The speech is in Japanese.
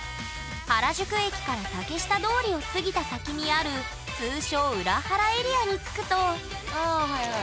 原宿駅から竹下通りを過ぎた先にある通称裏原エリアに着くとあはいはい。